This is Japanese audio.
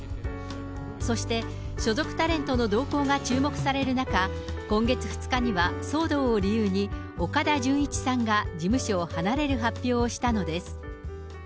そして、所属タレントの動向が注目される中、今月２日には騒動を理由に、岡田准一さんが事務所を離れる発表をしたのです。